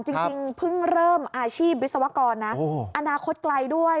จริงเพิ่งเริ่มอาชีพวิศวกรนะอนาคตไกลด้วย